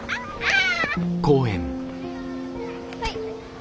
はい。